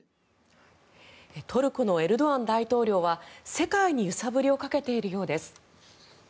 トルコのエルドアン大統領は世界に揺さぶりをかけているようです。